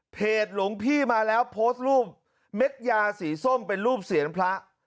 หลวงพี่มาแล้วโพสต์รูปเม็ดยาสีส้มเป็นรูปเสียนพระ